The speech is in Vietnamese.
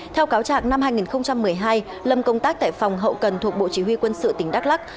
theo cáo trạng năm hai nghìn một mươi hai lâm công tác tại phòng hậu cần thuộc bộ chỉ huy quân sự tỉnh đắk lắc